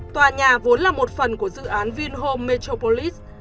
tòa nhà vốn là một phần của dự án vinhome metropolis